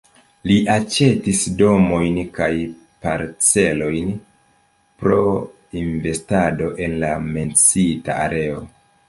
Li aĉetis domojn kaj parcelojn pro investado en la menciita areo.